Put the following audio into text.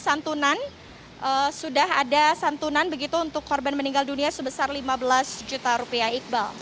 santunan sudah ada santunan begitu untuk korban meninggal dunia sebesar lima belas juta rupiah iqbal